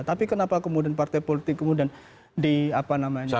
tapi kenapa kemudian partai politik kemudian di apa namanya